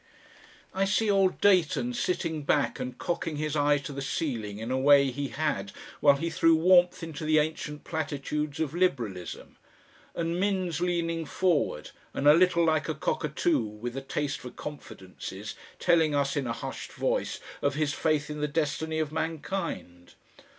I see old Dayton sitting back and cocking his eye to the ceiling in a way he had while he threw warmth into the ancient platitudes of Liberalism, and Minns leaning forward, and a little like a cockatoo with a taste for confidences, telling us in a hushed voice of his faith in the Destiny of Mankind.